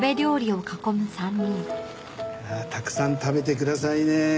いやあたくさん食べてくださいね。